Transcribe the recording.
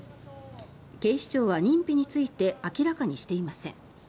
警視庁は認否について明らかにしていません。